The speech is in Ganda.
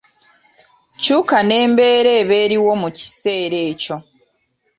Kyuka n’embeera eba eriwo mu kiseera ekyo.